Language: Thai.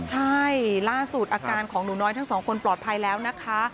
ใช่ล่าสุดอาการของหนูน้อยทั้งสองคนปลอดภัยแล้วนะคะ